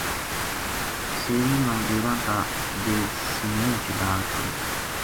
سیری ما ڈیراں تا بے سِنہیو چلا چھُڑیو